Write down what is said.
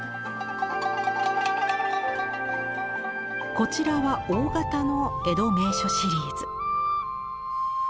こちらは大形の江戸名所シリーズ。